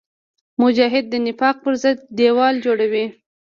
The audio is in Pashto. مجاهد د نفاق پر ضد دیوال جوړوي.